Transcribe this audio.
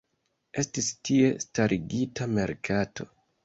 Estis tie starigita merkato.